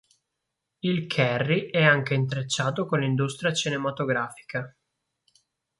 Il Kerry è anche intrecciato con l'industria cinematografica.